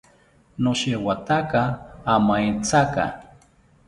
Noshewataka amaetyaka